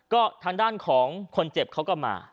ก็ทางด้านของคนเจ็บเขาก็มา